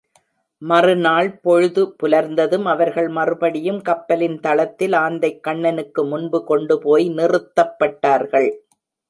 மறுநாள் பொழுது புலர்ந்ததும் அவர்கள் மறுபடியும் கப்பலின் தளத்தில் ஆந்தைக்கண்ணனுக்கு முன்பு கொண்டு போய் நிறுத்தப்பட்டார்கள்.